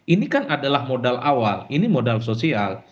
ini kan adalah modal awal ini modal sosial